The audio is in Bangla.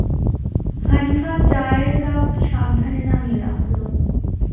হানিফা চ্যায়ের কাপ সাবধানে নামিয়ে রাখল।